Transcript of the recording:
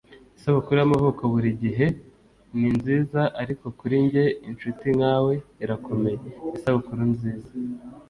isabukuru y'amavuko buri gihe ni nziza, ariko kuri njye inshuti nkawe irakomeye. isabukuru nziza